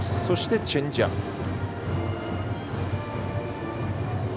そして、チェンジアップ。